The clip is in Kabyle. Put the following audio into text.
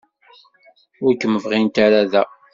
Ur kem-bɣint ara da.